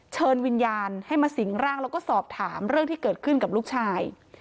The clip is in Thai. เชิญวิญญาณให้มาสิงร่างแล้วก็สอบถามเรื่องที่เกิดขึ้นกับลูกชาย